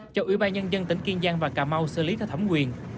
cho ủy ban nhân dân tỉnh kiên giang và cà mau xử lý theo thẩm quyền